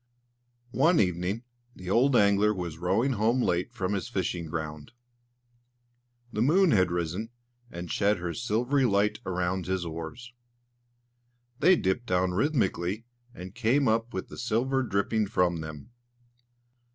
One evening the old angler was rowing home late from his fishing ground. The moon had risen, and shed her silvery light around his oars. They dipped down rhythmically, and came up with the silver dripping from them.